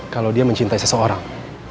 kalau dia mencintai seseorang